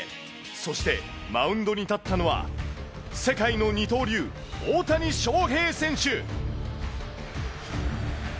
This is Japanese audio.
そして、マウンドに立ったのは、世界の二刀流、大谷翔平選手。